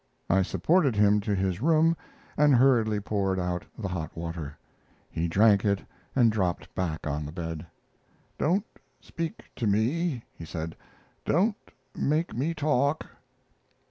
I supported him to his room and hurriedly poured out the hot water. He drank it and dropped back on the bed. "Don't speak to me," he said; "don't make me talk."